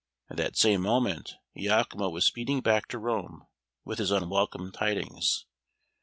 At that same moment Iachimo was speeding back to Rome with his unwelcome tidings.